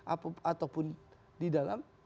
ataupun di dalam